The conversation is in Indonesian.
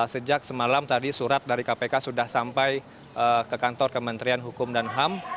sejak semalam tadi surat dari kpk sudah sampai ke kantor kementerian hukum dan ham